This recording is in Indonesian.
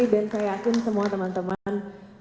dan saya yakin semua teman teman